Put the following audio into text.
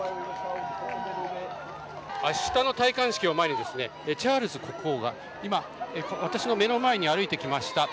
明日の戴冠式を前にチャールズ国王が今、私の目の前に歩いてきました。